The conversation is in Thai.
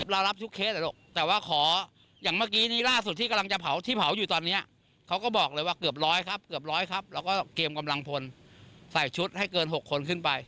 รับทุกเคสแต่ว่าขออย่างเมื่อกี้นี้ล่าสุดที่กำลังจะเผาที่เผาอยู่ตอนนี้เขาก็บอกเลยว่าเกือบร้อยครับเกือบร้อยครับแล้วก็เกมกำลังพลใส่ชุดให้เกิน๖คนขึ้นไป